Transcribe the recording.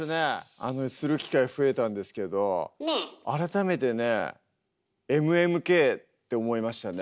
あのする機会増えたんですけど改めてねって思いましたね。